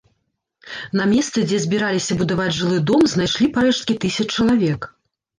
На месцы, дзе збіраліся будаваць жылы дом, знайшлі парэшткі тысяч чалавек.